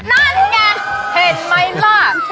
นั่นไงเห็นไหมล่ะ